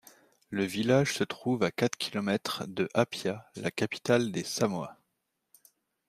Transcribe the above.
Le village se trouve à quatre kilomètres de Apia, la capitale des Samoa.